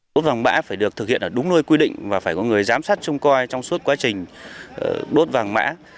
đốt vàng mã phải được thực hiện ở đúng nơi quy định và phải có người giám sát trông coi trong suốt quá trình đốt vàng mã